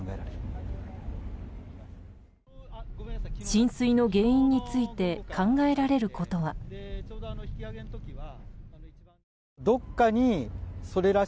浸水の原因について考えられることは。